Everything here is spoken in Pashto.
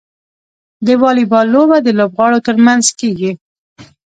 د واليبال لوبه د لوبغاړو ترمنځ کیږي.